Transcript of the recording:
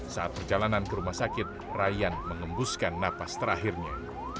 saat perjalanan ke rumah sakit ryan mengembuskan napas terakhirnya